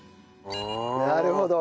なるほど。